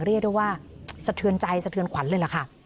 เรียกได้ว่าสะเทือนใจสะเทือนขวัญเลยล่ะค่ะ